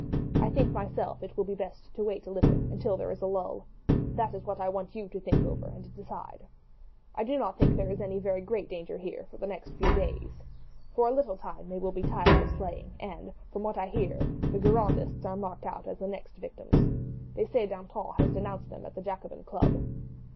I think myself it will be best to wait a little until there is a lull. That is what I want you to think over and decide. "I do not think there is any very great danger here for the next few days. For a little time they will be tired of slaying; and, from what I hear, the Girondists are marked out as the next victims. They say Danton has denounced them at the Jacobin Club.